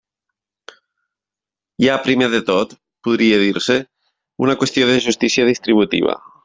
Hi ha primer de tot, podria dir-se, una qüestió de justícia distributiva.